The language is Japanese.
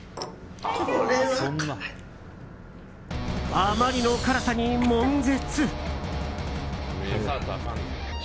あまりの辛さに悶絶。